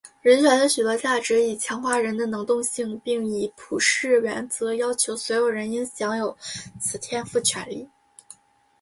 人权的许多价值以强化人的能动性并以普世原则要求所有人应享有此天赋权利。